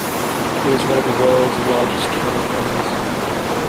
It is one of the world's largest camel fairs.